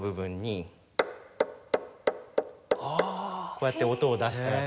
こうやって音を出して。